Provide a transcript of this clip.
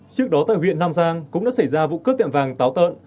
trước đó tại huyện nam giang cũng đã xảy ra vụ cướp tiệm vàng táo tợn